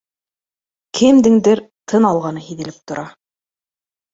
Кемдеңдер тын алғаны һиҙелеп тора